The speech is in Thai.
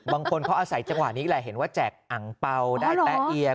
บางคนเขาอาศัยจังหวะนี้แหละเห็นว่าแจกอังเปล่าได้แป๊ะเอีย